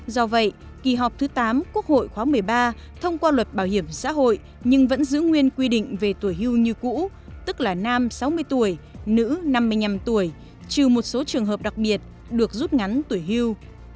do vậy kỳ họp thứ tám quốc hội khóa một mươi ba thông qua luật bảo hiểm xã hội nhưng vẫn giữ nguyên quy định về tuổi hưu như cũ tức là nam sáu mươi tuổi nữ năm mươi năm tuổi trừ một số trường hợp đặc biệt được rút ngắn tuổi hưu